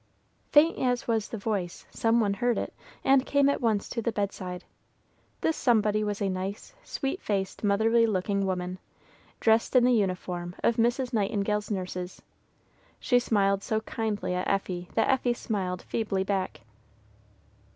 Faint as was the voice, some one heard it, and came at once to the bedside. This somebody was a nice, sweet faced, motherly looking woman, dressed in the uniform of Miss Nightingale's nurses. She smiled so kindly at Effie that Effie smiled feebly back.